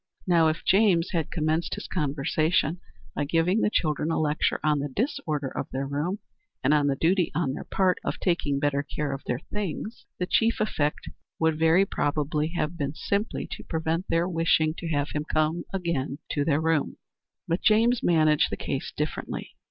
Now if James had commenced his conversation by giving the children a lecture on the disorder of their room, and on the duty, on their part, of taking better care of their things, the chief effect would very probably have been simply to prevent their wishing to have him come to their room again. But James managed the case differently.